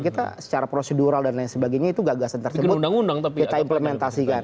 kita secara prosedural dan lain sebagainya itu gagasan tersebut kita implementasikan